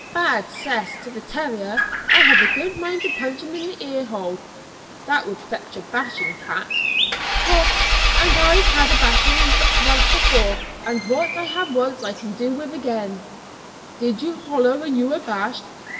"Bad 'cess to the 'terrier!' I have a good mind to punch him in the ear hole." "That would fetch a bashing, Pat." "Troth, and I've had a bashing once afore, and what I've had once I can do with agin." "Did you holloa when you were bashed?"